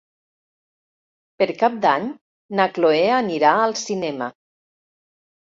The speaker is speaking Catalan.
Per Cap d'Any na Cloè anirà al cinema.